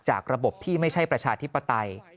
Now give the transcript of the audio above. จากระบบที่ไม่ใช่ประชาธิปไตย